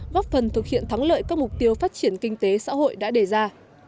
góp phần thực hiện thắng lợi các mục tiêu phát triển kinh tế xã hội đã đề ra